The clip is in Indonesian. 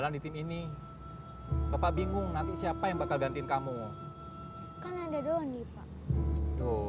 aduh aduh ini gimana nih